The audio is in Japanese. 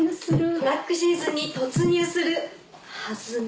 「トラックシーズンに突入する、はずが」。